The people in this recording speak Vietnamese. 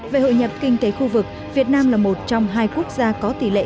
về hội nhập kinh tế khu vực việt nam là một trong hai quốc gia có tỷ lệ